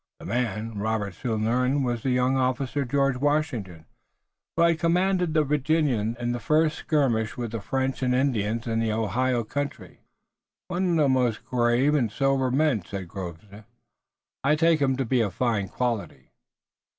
The man, Robert soon learned, was the young officer, George Washington, who had commanded the Virginians in the first skirmish with the French and Indians in the Ohio country. "One of most grave and sober mien," said Grosvenor. "I take him to be of fine quality."